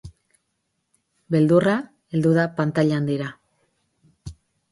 Beldurra heldu da pantaila handira.